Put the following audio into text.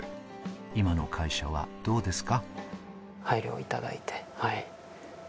今の会社はどうですか？